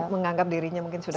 menganggap dirinya mungkin sudah